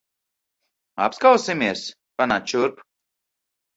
Apskausimies. Panāc šurp.